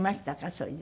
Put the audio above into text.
それで。